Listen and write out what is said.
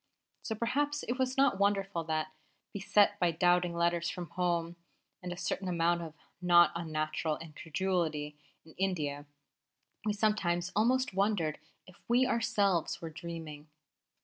So perhaps it was not wonderful that, beset by doubting letters from home and a certain amount of not unnatural incredulity in India, we sometimes almost wondered if we ourselves were dreaming.